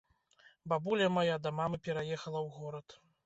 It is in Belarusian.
Бабуля мая да мамы пераехала ў горад.